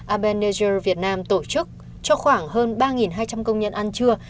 abenager việt nam tổ chức cho khoảng hơn ba hai trăm linh công nhân ăn trưa